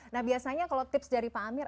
nah biasanya kalau tips dari pak amir